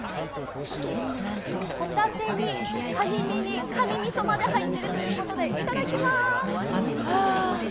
ほたてにかに身にかにみそまで入ってるということでいただきます。